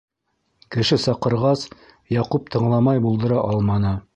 Кеше саҡырғас, Яҡуп тыңламай булдыра алманы.